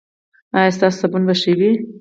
ایا ستاسو صابون به ښه وي؟